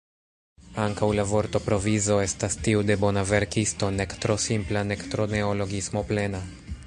Ankaŭ la vortoprovizo estas tiu de bona verkisto, nek tro simpla nek tro neologismoplena.